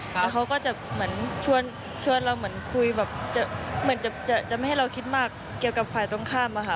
แล้วเขาก็จะเหมือนชวนเราเหมือนคุยแบบเหมือนจะไม่ให้เราคิดมากเกี่ยวกับฝ่ายตรงข้ามอะค่ะ